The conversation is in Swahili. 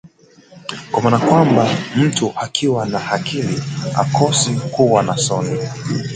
Kwa maana kwamba, mtu akiwa na akili hakosi kuwa na soni